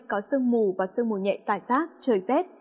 có sương mù và sương mù nhẹ xảy xác trời tét